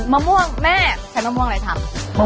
มะม่วงแม่ใช้มะม่วงอะไรทำ